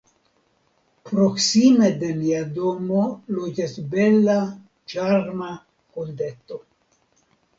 Proksime de nia domo loĝas bela, ĉarma, hundeto.